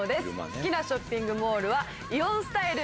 好きなショッピングモールはイオンスタイル